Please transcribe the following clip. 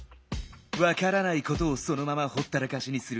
わからないことをそのままほったらかしにする。